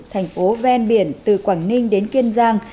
thành phố ven biển từ quảng ninh đến kiên giang